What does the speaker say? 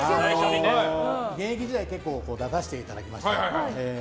現役時代、結構出させていただきまして。